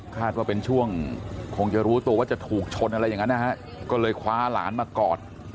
ว่าเป็นช่วงคงจะรู้ตัวว่าจะถูกชนอะไรอย่างนั้นนะฮะก็เลยคว้าหลานมากอด